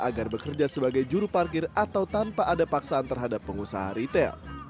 agar bekerja sebagai juru parkir atau tanpa ada paksaan terhadap pengusaha ritel